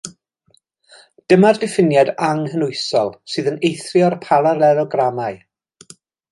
Dyma'r diffiniad anghynhwysol, sydd yn eithrio'r paralelogramau.